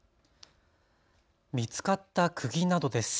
見つかったくぎなどです。